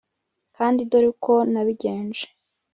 kandi dore uko nabigenje